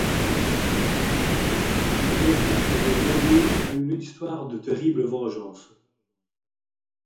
Ils vont se trouver mêlés à une histoire de terrible vengeance…